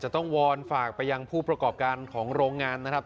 ต้องวอนฝากไปยังผู้ประกอบการของโรงงานนะครับ